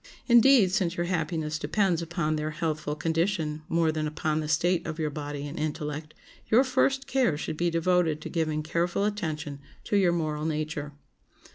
Indeed, since your happiness depends upon their healthful condition more than upon the state of your body and intellect, your first care should be devoted to giving careful attention to your moral nature.